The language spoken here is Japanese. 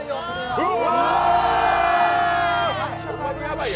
うわ！